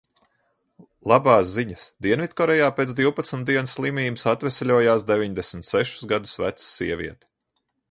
Labās ziņas – Dienvidkorejā pēc divpadsmit dienu slimības atveseļojās deviņdesmit sešus gadus veca sieviete.